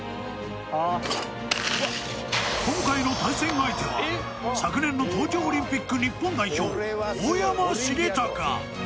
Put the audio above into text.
今回の対戦相手は昨年の東京オリンピック日本代表、大山重隆。